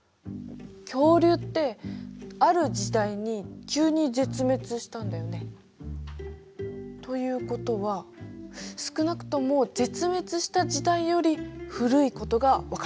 恐竜ってある時代に急に絶滅したんだよね？ということは少なくとも絶滅した時代より古いことがわかる。